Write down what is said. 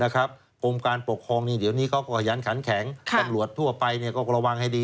กรมการปกครองเดี๋ยวนี้เขาก็ยันขันแข็งตำรวจทั่วไปก็ระวังให้ดี